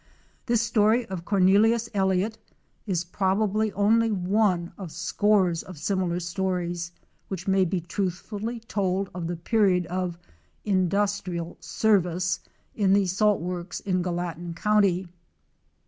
This story of Cornelius Elliott ig probably only one of scores of similar stories which may be truthfully told of the period of "indus trial service" in the salt works in Gallatin county.